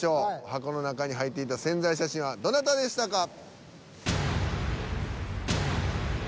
箱の中に入っていた宣材写真はどなたでしたか？